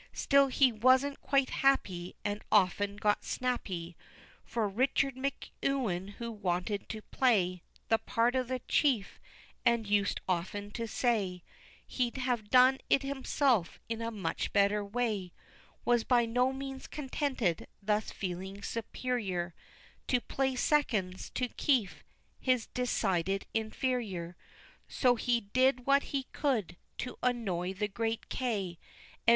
Still he wasn't quite happy, And often got snappy, For Richard McEwen, who'd wanted to play The part of the chief, and used often to say He'd have done it himself in a much better way, Was by no means contented, thus feeling superior To play "seconds" to Keefe, his decided inferior. So he did what he could To annoy the great K.